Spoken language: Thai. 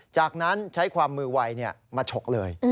จากนั้นใช้ความมือไวมาฉกเลย